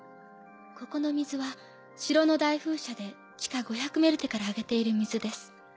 ここの水は城の大風車で地下５００メルテから上げている水です。